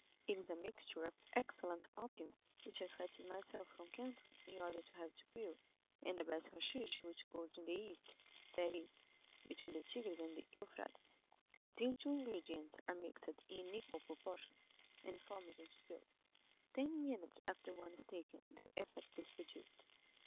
It is a mixture of excellent opium, which I fetched myself from Canton in order to have it pure, and the best hashish which grows in the East—that is, between the Tigris and the Euphrates. These two ingredients are mixed in equal proportions, and formed into pills. Ten minutes after one is taken, the effect is produced.